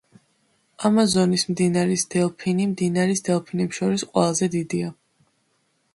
ამაზონის მდინარის დელფინი მდინარის დელფინებს შორის ყველაზე დიდია.